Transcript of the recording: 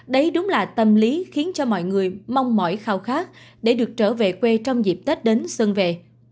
đấy đúng là tâm lý khiến cho mọi người mong mỏi khao khát để được trở về quê trong dịp tết đến xuân về